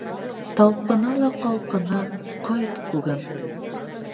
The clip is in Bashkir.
Талпына ла ҡалҡына, Ҡайт, күгем!